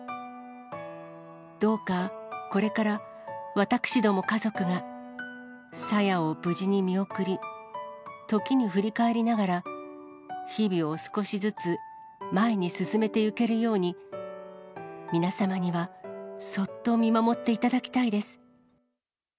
どうかこれから私ども家族が、さやを無事に見送り、時に振り返りながら、日々を少しずつ前に進めてゆけるように、皆様にはそっと見守っていただきたいです。